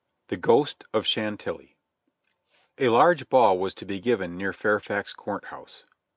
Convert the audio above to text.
THE GHOST OE CHANTlLIyY. A large ball was to be given near Fairfax Court House.